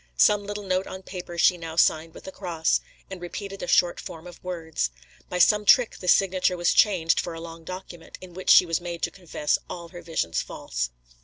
Some little note on paper she now signed with a cross, and repeated a short form of words. By some trick this signature was changed for a long document, in which she was made to confess all her visions false.